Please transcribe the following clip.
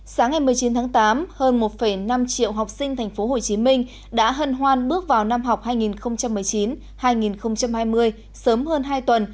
sáng ngày một mươi chín tháng tám hơn một năm triệu học sinh tp hcm đã hân hoan bước vào năm học hai nghìn một mươi chín hai nghìn hai mươi sớm hơn hai tuần